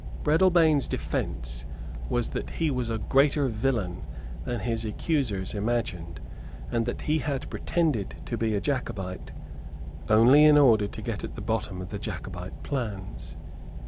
Breadalbane's defence was that he was a greater villain than his accusers imagined, and that he had pretended to be a Jacobite only in order to get at the bottom of the Jacobite plans.